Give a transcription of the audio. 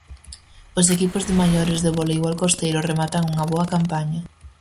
Os equipos de maiores do voleibol costeiro rematan unha boa campaña.